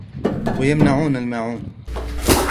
وَيَمْنَعُونَ الْمَاعُونَ